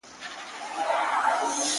• اورېدلي مي دي چي انسان -